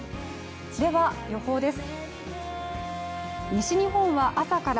では予報です。